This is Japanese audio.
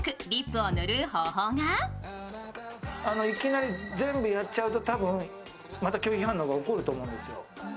いきなり全部やっちゃうと多分、また拒否反応が起こると思うんですよ。